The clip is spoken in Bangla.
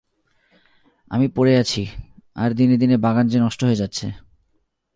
আমি পড়ে আছি, আর দিনে দিনে বাগান যে নষ্ট হয়ে যাচ্ছে।